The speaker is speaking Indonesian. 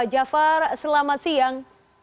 jafar selamat siang